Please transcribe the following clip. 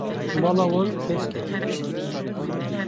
Mala wan kesk e.